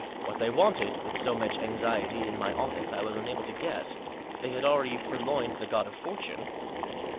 What they wanted, with so much anxiety, in my office, I was unable to guess. They had already pur loined the God of Fortune.